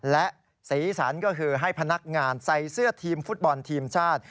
และสีสันก็คือให้พนักงานใส่เสื้อทีมฟุตบอลทีมชาติ